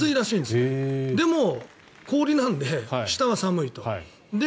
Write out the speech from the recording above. でも、氷なので下は寒いと。